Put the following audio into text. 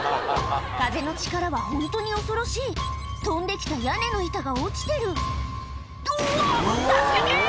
風の力はホントに恐ろしい飛んできた屋根の板が落ちてる「うわ助けて！」